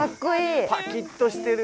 パキッとしてる。